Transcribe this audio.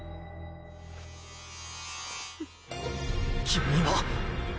君は！